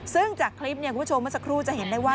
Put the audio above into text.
ซึ่งจากคลิปเนี่ยคุณผู้ชมเมื่อสักครู่จะเห็นได้ว่า